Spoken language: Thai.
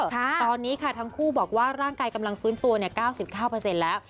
ตอนนี้ค่ะทั้งคู่บอกว่าร่างกายกำลังฟื้นตัว๙๙แล้ว